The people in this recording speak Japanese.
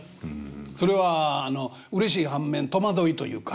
それはあのうれしい反面戸惑いというか。